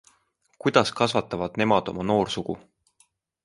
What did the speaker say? Kuidas kasvatavad nemad oma noorsugu?